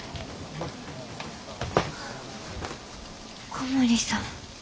小森さん。